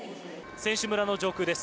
選手村の上空です。